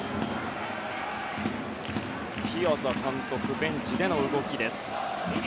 ピアザ監督ベンチでの動きです。